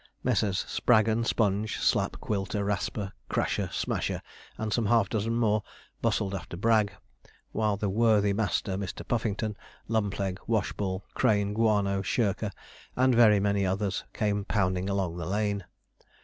Messrs. Spraggon, Sponge, Slapp, Quilter, Rasper, Crasher, Smasher, and some half dozen more, bustled after Bragg; while the worthy master Mr. Puffington, Lumpleg, Washball, Crane, Guano, Shirker, and very many others, came pounding along the lane.